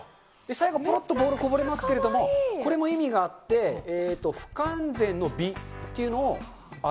最後、もっとボールこぼれますけれども、これも意味があって、不完全な美深い。